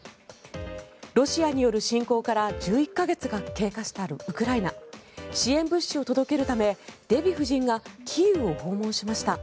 ロシアによる侵攻から１１か月が経過したウクライナ。支援物資を届けるためデヴィ夫人がキーウを訪問しました。